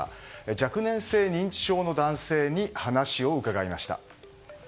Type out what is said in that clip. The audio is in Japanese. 若年性認知症の男性に話を伺いました。